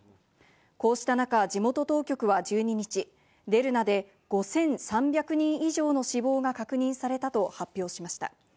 こうした中、地元当局は１２日、デルナで５３００人以上の死亡が確認されたと発表しました。